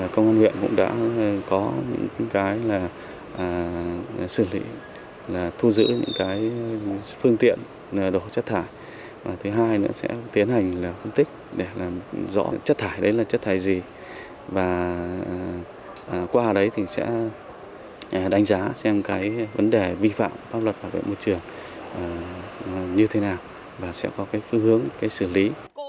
công an huyện cũng đã có những cái là xử lý là thu giữ những cái phương tiện đổ chất thải và thứ hai nữa sẽ tiến hành là phân tích để là rõ chất thải đấy là chất thải gì và qua đấy thì sẽ đánh giá xem cái vấn đề vi phạm pháp luật bảo vệ môi trường như thế nào và sẽ có cái phương hướng cái xử lý